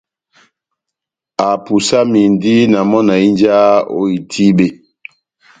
Apusamindi na mɔ́ na hínjaha ó itíbe.